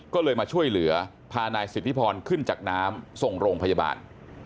ก็เลยมาช่วยเหลือพานายสิทธิพรขึ้นจากน้ำส่งโรงพยาบาล